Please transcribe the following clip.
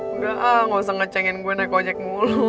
engga gak usah ngecengin gue naik ojek mulu